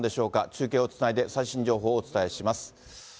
中継をつないで、最新情報をお伝えします。